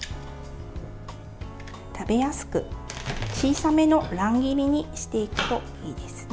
食べやすく、小さめの乱切りにしていくといいですね。